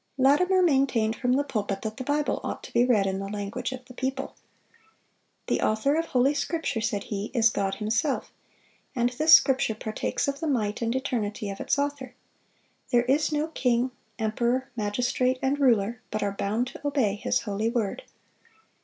Latimer maintained from the pulpit that the Bible ought to be read in the language of the people. The Author of Holy Scripture, said he, "is God Himself;" and this Scripture partakes of the might and eternity of its Author. "There is no king, emperor, magistrate, and ruler ... but are bound to obey ... His holy word."